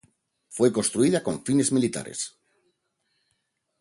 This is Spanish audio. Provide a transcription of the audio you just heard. Fue construida con fines militares.